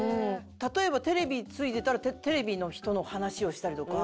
例えばテレビついてたらテレビの人の話をしたりとか。